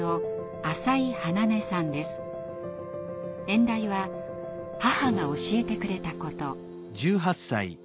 演題は「母が教えてくれたこと」。